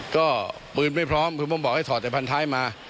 ก็ปืนไม่พร้อมคือผมบอกให้ถอดแต่พันท้ายมา